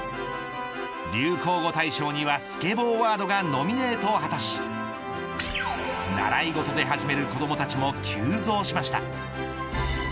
流行語大賞にはスケボーワードがノミネートを果たし習い事で始める子どもたちも急増しました。